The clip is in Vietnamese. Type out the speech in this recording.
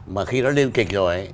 mà khi nó lên kịch rồi ấy